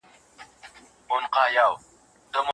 تور، سور، زرغون بيرغ د افغانستان ملي بیرغ دئ